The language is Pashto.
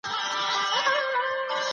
فعالو تولیدي څانګو ته پام وکړئ.